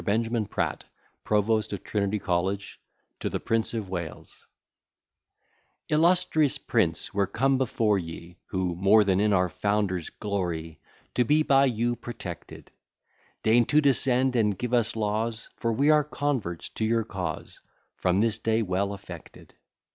BENJAMIN PRATT, PROVOST OF TRINITY COLLEGE TO THE PRINCE OF WALES Illustrious prince, we're come before ye, Who, more than in our founders, glory To be by you protected; Deign to descend and give us laws, For we are converts to your cause, From this day well affected.